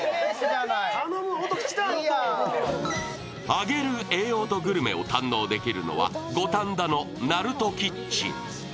揚げるええ音グルメを堪能できるのは五反田のなるとキッチン。